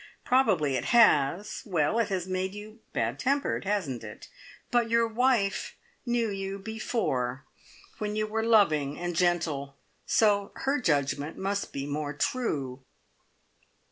Probably it has well, it has made you bad tempered, hasn't it? But your wife knew you before, when you were loving and gentle, so her judgment must be more true."